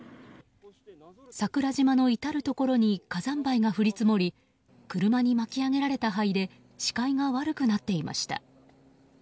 桜島の至るところに火山灰が降り積もり車に巻き上げられた灰で視界が悪くなっていました。